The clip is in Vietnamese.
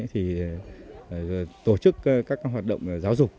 thì tổ chức các hoạt động giáo dục